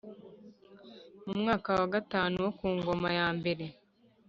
Mu mwaka wa gatanu wo ku ngoma yambere